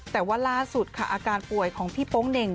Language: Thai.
แต่ว่าล่าสุดค่ะอาการป่วยของพี่โป๊งเหน่ง